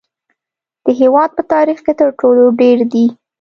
د هیواد په تاریخ کې تر ټولو ډیر دي